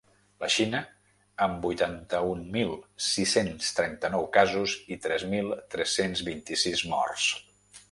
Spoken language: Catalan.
La Xina, amb vuitanta-un mil sis-cents trenta-nou casos i tres mil tres-cents vint-i-sis morts.